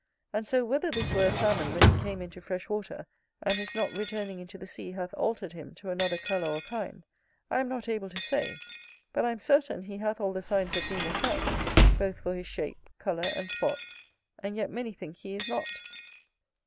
And so, whether this were a Salmon when he came into fresh water, and his not returning into the sea hath altered him to another colour or kind, I am not able to say; but I am certain he hath all the signs of being a Trout, both for his shape, colour, and spots; and yet many think he is not.